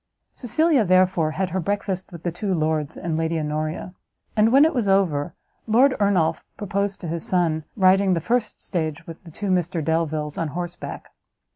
Cecilia, therefore, had her breakfast with the two lords and Lady Honoria; and when it was over, Lord Ernolf proposed to his son riding the first stage with the two Mr Delviles on horseback.